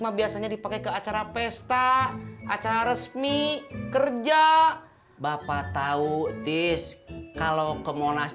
ma biasanya dipakai ke acara pesta acara resmi kerja bapak tahu disc kalau kemonas